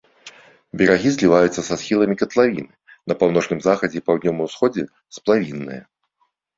Берагі зліваюцца са схіламі катлавіны, на паўночным захадзе і паўднёвым усходзе сплавінныя.